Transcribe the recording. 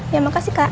ya makasih kak